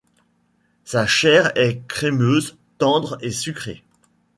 Sa chair est crémeuse, tendre et sucrée.